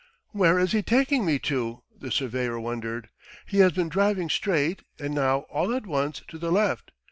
"Where is he taking me to?" the surveyor wondered. "He has been driving straight and now all at once to the left.